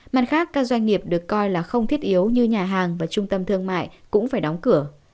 mặt khác các doanh nghiệp được coi là không thiết yếu như nhà hàng và trung tâm thương mại cũng phải đóng cửa